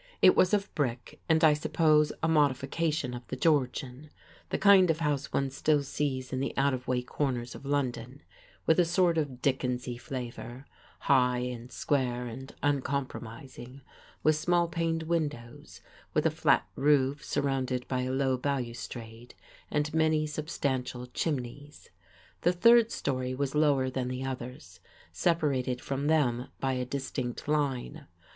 It was of brick, and I suppose a modification of the Georgian; the kind of house one still sees in out of the way corners of London, with a sort of Dickensy flavour; high and square and uncompromising, with small paned windows, with a flat roof surrounded by a low balustrade, and many substantial chimneys. The third storey was lower than the others, separated from them by a distinct line.